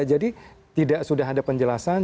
tidak sudah ada penjelasan